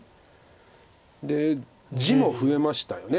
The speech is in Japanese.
で地も増えましたよね